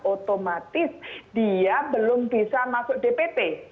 otomatis dia belum bisa masuk dpt